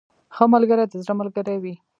• ښه ملګری د زړه ملګری وي.